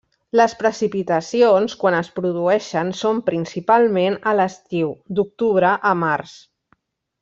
Les precipitacions, quan es produeixen, són principalment a l’estiu, d’octubre a març.